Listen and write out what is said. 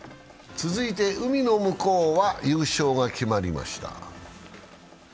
続いて海の向こうは優勝が決まりました。